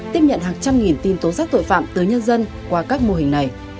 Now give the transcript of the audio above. tổ chức nhận hàng trăm nghìn tin tố giác tội phạm tới nhân dân qua các mô hình này